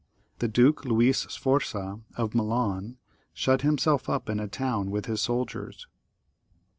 The duke Louis Sforza of Milan shut himself up in a town with his soldiers.